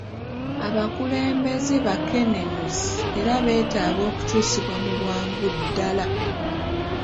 Abakulembeze bakenenuzi era beetaaga okukyusibwa mu bwangu ddala.